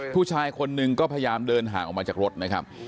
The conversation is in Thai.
ผู้ชายคนหนึ่งก็พยายามเดินห่างออกมาจากรถนะครับ